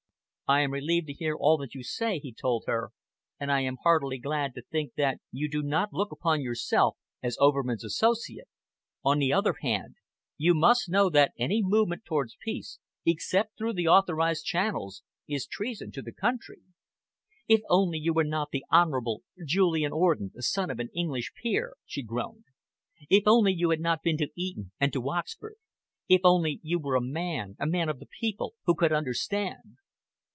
"I am relieved to hear all that you say," he told her, "and I am heartily glad to think that you do not look upon yourself as Overman's associate. On the other hand, you must know that any movement towards peace, except through the authorised channels, is treason to the country." "If only you were not the Honourable Julian Orden, the son of an English peer!" she groaned. "If only you had not been to Eton and to Oxford! If only you were a man, a man of the people, who could understand!"